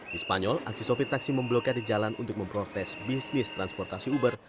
di spanyol aksi sopir taksi memblokir jalan untuk memprotes bisnis transportasi uber